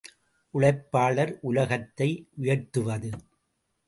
உழைப்பாளர் உலகத்தை உயர்த்துவது.